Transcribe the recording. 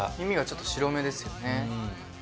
耳がちょっと白めですよね。